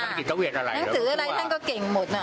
นัดถืออะไรท่านก็เก่งหมด